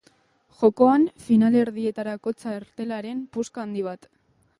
Jokoan finalerdietarako txartelaren puska handi bat.